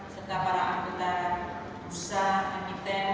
serta para anggota bursa emiten